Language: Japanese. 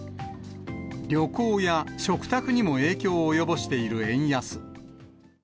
旅行や食卓にも影響を及ぼしている円安。